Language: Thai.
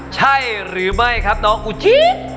ใช่หรือไม่ครับน้องอุทิศ